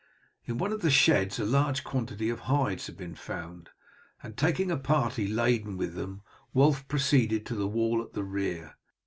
In one of the sheds a large quantity of hides had been found, and taking a party laden with them Wulf proceeded to the wall at the rear.